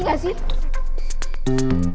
ngerti gak sih